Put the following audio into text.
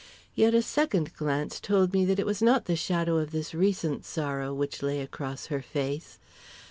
Yet a second glance told me that it was not the shadow of this recent sorrow which lay across her face.